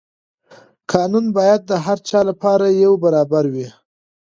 قانون باید د هر چا لپاره یو برابر وي.